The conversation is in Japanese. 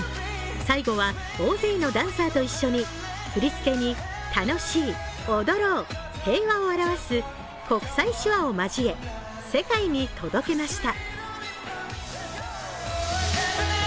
最後は大勢のダンサーと一緒に振り付けに、楽しい、踊ろう、平和を表す国際手話を交え、世界に届けました。